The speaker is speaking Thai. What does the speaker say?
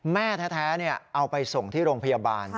แม่แท้เอาไปส่งที่โรงพยาบาล